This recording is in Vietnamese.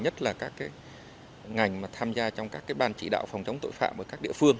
nhất là các ngành mà tham gia trong các ban chỉ đạo phòng chống tội phạm ở các địa phương